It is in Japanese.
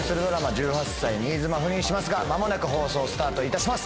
１８歳、新妻間もなく放送スタートいたします